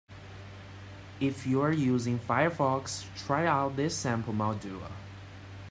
If you are using Firefox, try out this sample module.